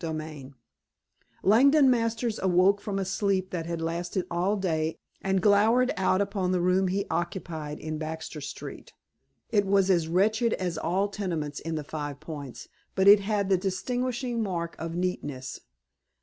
XLII Langdon Masters awoke from a sleep that had lasted all day and glowered out upon the room he occupied in Baxter Street. It was as wretched as all tenements in the Five Points, but it had the distinguishing mark of neatness.